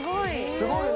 すごいね。